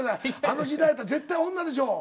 あの時代やったら絶対女でしょう。